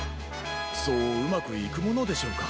そううまくいくものでしょうか？